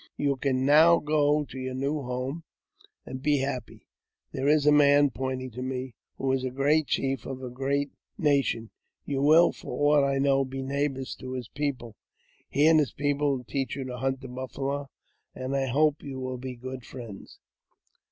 You can now go to your new home, and be happy. There is a man (pointing to me) who is a great chief of a great nation ; you will, for aught I know, be neighbour to his people ; he and his people will teach you to hunt the buffalo, and I hope you will be good friends."